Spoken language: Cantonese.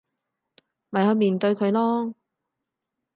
咪去面對佢囉